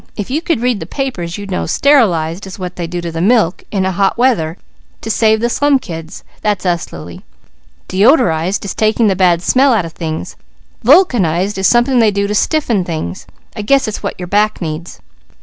"If you could read the papers, you'd know. 'Sterilized,' is what they do to the milk in hot weather to save the slum kids. That's us, Lily. 'Deodorized,' is taking the bad smell out of things. 'Vulcanized,' is something they do to stiffen things. I guess it's what your back needs."